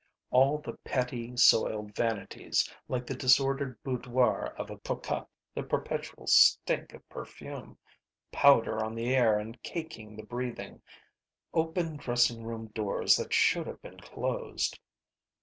All the petty soiled vanities, like the disordered boudoir of a cocotte. The perpetual stink of perfume. Powder on the air and caking the breathing. Open dressing room doors that should have been closed.